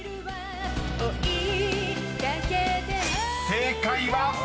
［正解は］